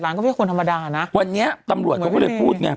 เอาตรงคุณให้คุณธรรมดานะวันนี้ตำรวจเขาเรื่อยพูดไน่อีก